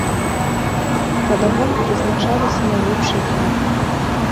Пад агонь прызначаліся найлепшыя хаты.